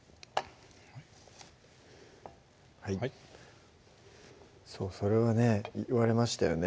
はいそれはね言われましたよね